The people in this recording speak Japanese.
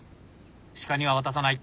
鹿には渡さない！